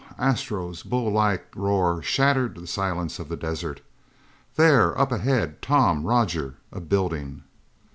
Astro's bull like roar shattered the silence of the desert. "There up ahead, Tom Roger a building!"